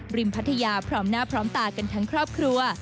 พัทยาพร้อมหน้าพร้อมตากันทั้งครอบครัว